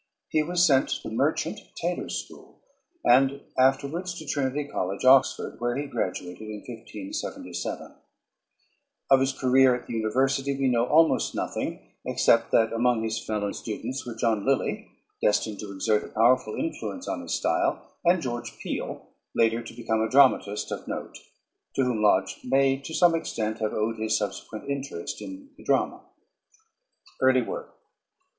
He was sent to Merchant Taylors' School and afterwards to Trinity College, Oxford, where he graduated in 1577. Of his career at the university we know almost nothing except that among his fellow students were John Lyly, destined to exert a powerful influence upon his style, and George Peele, later to become a dramatist of note, to whom Lodge may to some extent have owed his subsequent interest in the drama. _Early Work.